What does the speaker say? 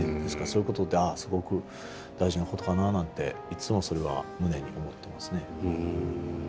ですからそういうことって「ああすごく大事なことかな」なんていつもそれは胸に思ってますね。